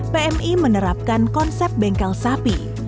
pmi menerapkan konsep bengkel sapi